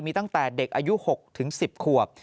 มีตั้งแต่เด็กอายุ๖๑๐ขวบ